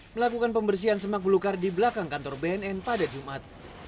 melakukan pembersihan semak belukar di belakang kantor bnn pada jumat